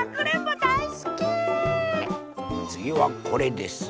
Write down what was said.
つぎはこれです。